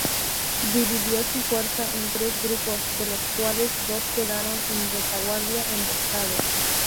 Dividió su fuerza en tres grupos, de los cuales dos quedaron en retaguardia, emboscados.